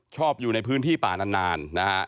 อยู่ในพื้นที่ป่านานนะฮะ